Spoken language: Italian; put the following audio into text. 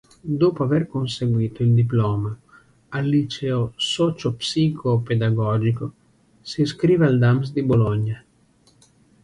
Dopo aver conseguito il diploma al liceo socio-psicopedagogico, si iscrive al Dams di Bologna.